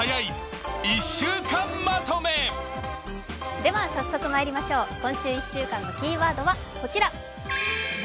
では早速まいりましょう、今週１週間のキーワードはこちら「中」